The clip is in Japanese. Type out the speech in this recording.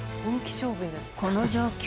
この状況。